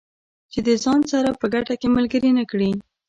چې د ځان سره په ګټه کې ملګري نه کړي.